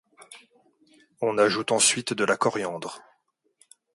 On ajoute ensuite de la coriandre.